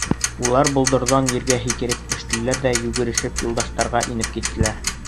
Улар болдорҙан ергә һикереп төштөләр ҙә, йүгерешеп, Юлдаштарға инеп киттеләр.